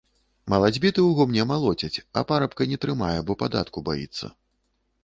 Малацьбіты ў гумне малоцяць, а парабка не трымае, бо падатку баіцца.